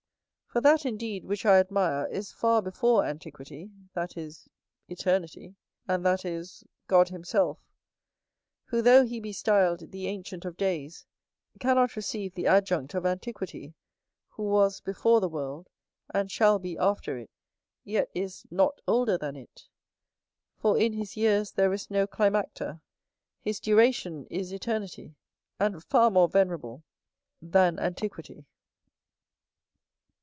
For that, indeed, which I admire, is far before antiquity; that is, Eternity; and that is, God himself; who, though he be styled the Ancient of Days, cannot receive the adjunct of antiquity, who was before the world, and shall be after it, yet is not older than it: for, in his years there is no climacter: his duration is eternity; and far more venerable than antiquity.